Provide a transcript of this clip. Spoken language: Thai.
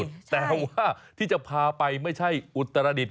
แต่ว่าที่จะพาไปไม่ใช่อุตรดิตคุณผู้ชมครับ